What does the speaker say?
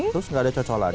terus nggak ada cocolannya